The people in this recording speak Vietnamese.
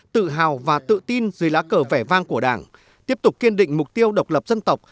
tự hào và tự tin dưới lá cờ vẻ vang của đảng tiếp tục kiên định mục tiêu độc lập dân tộc